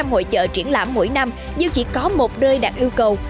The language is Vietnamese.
sáu trăm linh hội chợ triển lãm mỗi năm nhưng chỉ có một đơi đạt yêu cầu